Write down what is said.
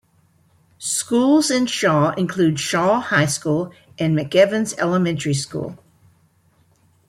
Schools in Shaw include Shaw High School and McEvans Elementary School.